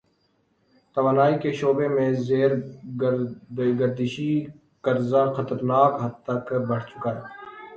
توانائی کے شعبے میں زیر گردشی قرضہ خطرناک حد تک بڑھ چکا ہے۔